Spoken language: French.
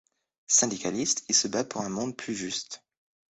Syndicaliste, il se bat pour un monde plus juste.